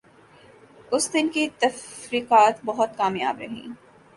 اس دن کی تقریبات بہت کامیاب رہیں ۔